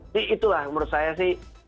jadi itulah menurut saya sih